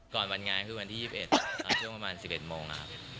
ก่อนวันงานคือวันที่๒๑ธันวาคมช่วงประมาณ๑๑โมง